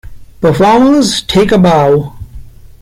Performers, take a bow!